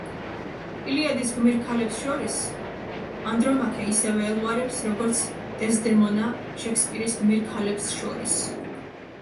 ილიადის გმირ ქალებს შორის, ანდრომაქე ისევე ელვარებს, როგორც დეზდემონა შექსპირის გმირ ქალებს შორის.